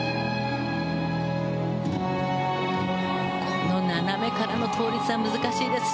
この斜めからの倒立は難しいです。